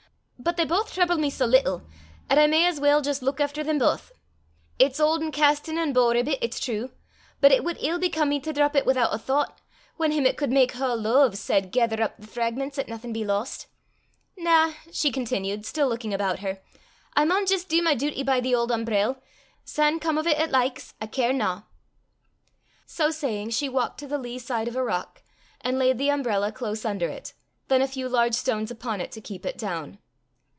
But they baith trible me sae little, 'at I may jist as weel luik efter them baith. It's auld an' casten an' bow ribbit, it's true, but it wad ill become me to drap it wi'oot a thoucht, whan him 'at could mak haill loaves, said, 'Gether up the fragments 'at naething be lost.' Na," she continued, still looking about her, "I maun jist dee my duty by the auld umbrell; syne come o' 't 'at likes, I carena." So saying she walked to the lee side of a rock, and laid the umbrella close under it, then a few large stones upon it to keep it down.